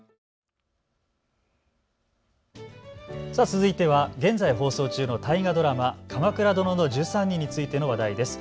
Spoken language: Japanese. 続いては現在放送中の大河ドラマ、鎌倉殿の１３人についての話題です。